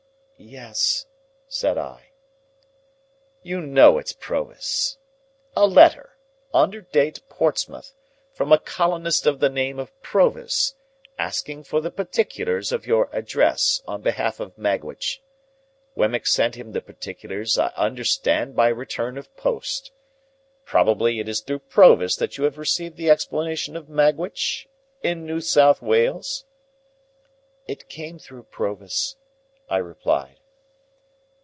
"Yes," said I. "You know it's Provis. A letter, under date Portsmouth, from a colonist of the name of Provis, asking for the particulars of your address, on behalf of Magwitch. Wemmick sent him the particulars, I understand, by return of post. Probably it is through Provis that you have received the explanation of Magwitch—in New South Wales?" "It came through Provis," I replied.